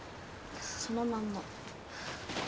そのまんま。